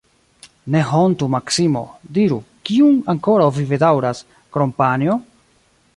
Ne hontu, Maksimo, diru, kiun ankoraŭ vi bedaŭras, krom panjo?